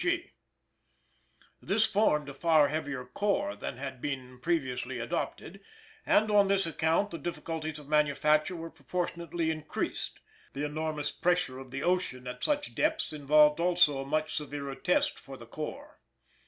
G. This formed a far heavier core than had been previously adopted, and on this account the difficulties of manufacture were proportionately increased. The enormous pressure of the ocean at such depths involved also a much severer test for the core.